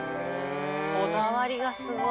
こだわりがすごい。